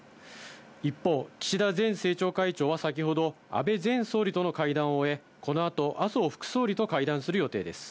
一方、岸田前政調会長は先ほど、安倍前総理との会談を終え、このあと、麻生副総理と会談する予定です。